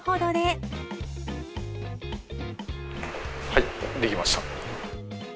はい、出来ました。